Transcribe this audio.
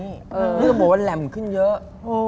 นี่ก็บอกว่ากันแหลมขึ้นเยอะ